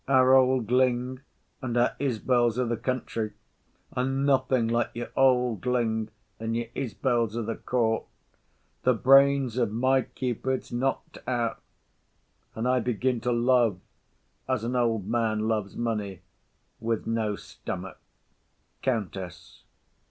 Our old lings and our Isbels o' th' country are nothing like your old ling and your Isbels o' th' court. The brains of my Cupid's knock'd out, and I begin to love, as an old man loves money, with no stomach. COUNTESS.